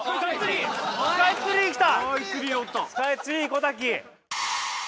・スカイツリー来た！